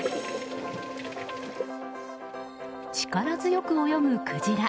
力強く泳ぐクジラ。